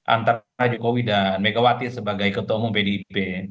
antara jokowi dan megawati sebagai ketua umum pdip